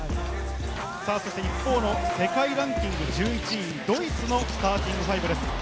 一方の世界ランキング１１位、ドイツのスターティングファイブです。